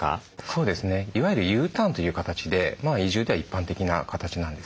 そうですねいわゆるＵターンという形で移住では一般的な形なんですね。